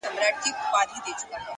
زحمت د هیلو اور ژوندی ساتي!